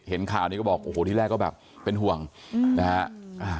ข่าวนี้ก็บอกโอ้โหที่แรกก็แบบเป็นห่วงนะฮะ